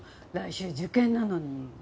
来週受験なのに。